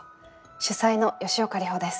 主宰の吉岡里帆です。